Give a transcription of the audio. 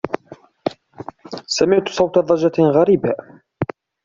سمعت صوت ضجة غريبة.